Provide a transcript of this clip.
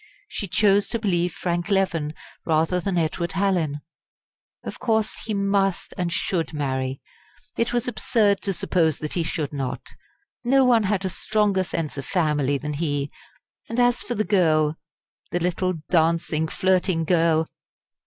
She chose to believe Frank Leven, rather than Edward Hallin. Of course he must and should marry! It was absurd to suppose that he should not. No one had a stronger sense of family than he. And as for the girl the little dancing, flirting girl!